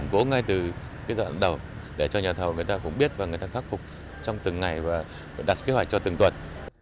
cố ngay từ cái giai đoạn đầu để cho nhà thầu người ta cũng biết và người ta khắc phục trong từng ngày và đặt kế hoạch cho từng tuần